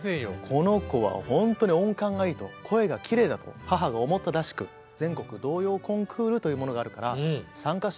この子はほんとに音感がいいと声がきれいだと母が思ったらしく全国童謡コンクールというものがあるから参加してみないかと。